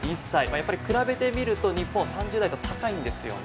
やっぱり比べてみると日本、３０代と高いんですよ。